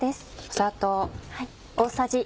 砂糖。